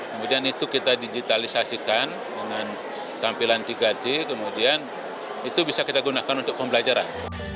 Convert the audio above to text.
kemudian itu kita digitalisasikan dengan tampilan tiga d kemudian itu bisa kita gunakan untuk pembelajaran